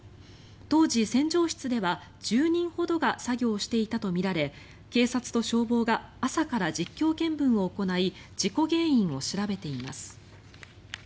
当時、洗浄室では１０人ほどが作業していたとみられ警察と消防が朝から実況見分を行い事故原因を調べています。